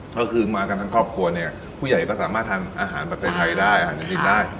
ก็คือมากันทั้งครอบครัวเนี่ยผู้ใหญ่ก็สามารถทานอาหารแบบไทยได้อาหารจะกินได้